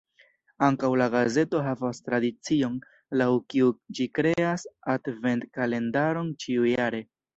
Ankaŭ la gazeto havas tradicion, laŭ kiu ĝi kreas advent-kalendaron ĉiujare.